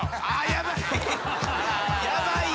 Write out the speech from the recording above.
ヤバい。